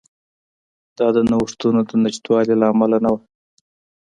دا د نوښتونو د نشتوالي له امله نه وه.